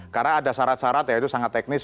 karena ada syarat syarat ya itu sangat teknis